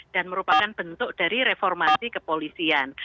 dan merupakan bentuk dari reformasi kepolisian